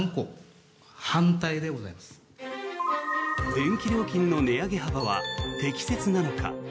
電気料金の値上げ幅は適切なのか。